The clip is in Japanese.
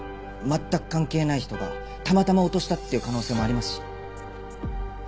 全く関係ない人がたまたま落としたっていう可能性もありますし。